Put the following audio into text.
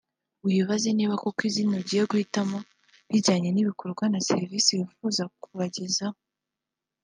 wibaze niba koko izina ugiye guhitamo rijyanye n’ibikorwa na serivisi wifuza kubagezaho